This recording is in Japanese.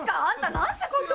何てことを！